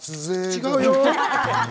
違うよ。